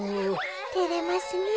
てれますねえ。